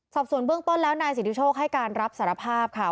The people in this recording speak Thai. สอบส่วนเบื้องต้นแล้วนายสิทธิโชคให้การรับสารภาพค่ะ